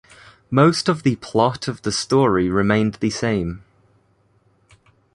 Most of the plot of the story remained the same.